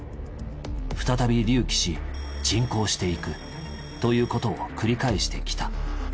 再び隆起し沈降していくということを繰り返してきた。